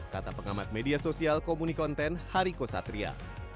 kata pengamat media sosial komunik konten hariko satria